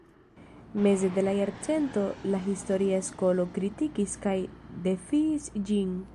Meze de la jarcento la historia skolo kritikis kaj defiis ĝin.